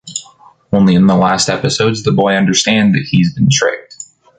Only in the last episodes, the boy understand that he’s been tricked.